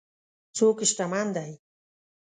څوک شتمن دی.